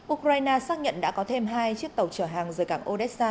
ukraine xác nhận đã có thêm hai chiếc tàu chở hàng rời cảng odessa